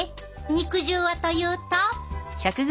肉汁はというと。